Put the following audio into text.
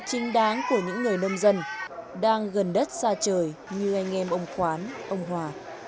chính đáng của những người nông dân đang gần đất xa trời như anh em ông khoán ông hỏa